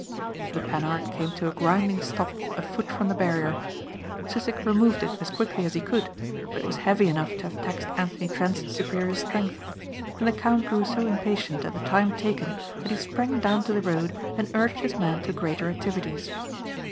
The Panhard came to a grinding stop a foot from the barrier. Sissek removed it as quickly as he could but it was heavy enough to have taxed Anthony Trent's superior strength! and the count grew so impatient at the time taken that he sprang down to the road and urged his man to greater activities.